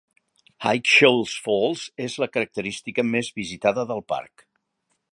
High Shoals Falls és la característica més visitada del parc.